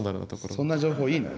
そんな情報いいのよ。